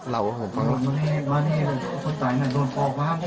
เราผมฟังล่ะวันนี้วันนี้คนไต่น่ะโดนปลอกบ้าน